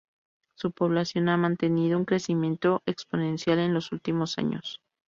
Su población ha mantenido un crecimiento exponencial en los últimos años.